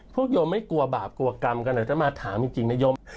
โยมไม่กลัวบาปกลัวกรรมกันเดี๋ยวจะมาถามจริงนโยม